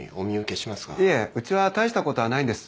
いえうちは大したことはないんです。